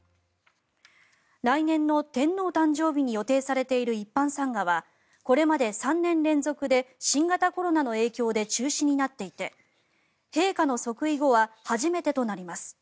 来年の天皇誕生日に予定されている一般参賀はこれまで３年連続で新型コロナの影響で中止になっていて陛下の即位後は初めてとなります。